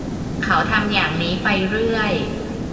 เขาทำอย่างนี้ไปเรื่อย